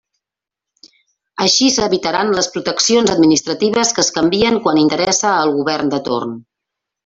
Així s'evitaran les proteccions administratives que es canvien quan interessa al govern de torn.